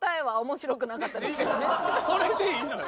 それでいいのよ。